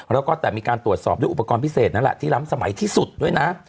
แล้วก็แต่มีการตรวจสอบด้วยอุปกรณ์พิเศษนั่นแหละที่ล้ำสมัยที่สุดด้วยนะ